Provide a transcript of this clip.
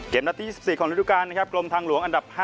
นัดที่๒๔ของฤดูการนะครับกรมทางหลวงอันดับ๕